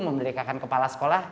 memerdekakan kepala sekolah